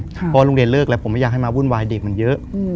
เพราะว่าโรงเรียนเลิกแล้วผมไม่อยากให้มาวุ่นวายเด็กมันเยอะ